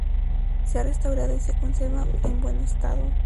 Se ha restaurado y se conserva en buen estado.